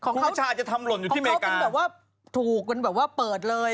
ของเขาของเขาเป็นแบบว่าถูกเปิดเลย